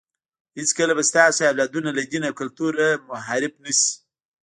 هېڅکله به ستاسو اولادونه له دین او کلتور نه منحرف نه شي.